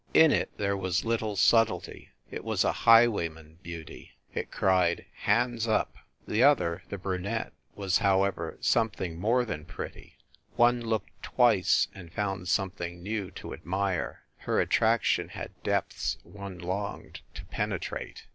In it there was little subtlety; it was a highwayman beauty, it cried: "Hands up!" The other, the brunette, was, however, something more than pretty one looked 154 FIND THE WOMAN twice, and found something new to admire. Her attraction had depths one longed to penetrate.